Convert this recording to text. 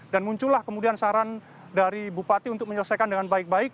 dan muncullah kemudian saran dari bupati untuk menyelesaikan dengan baik baik